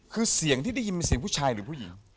คือเสียงที่ได้ยินเป็นเสียงผู้ชายหรือผู้หญิง